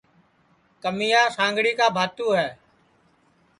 کمیا سانڳڑی کا بھانتوں ہے